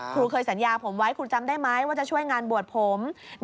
ครูเคยสัญญาผมไว้คุณจำได้ไหมว่าจะช่วยงานบวชผม